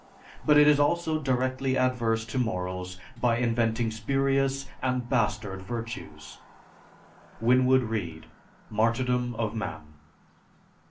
But it is also directly adverse to morals by inventing spurious and bastard virtues._ WINWOOD READE, "Martyrdom of Man."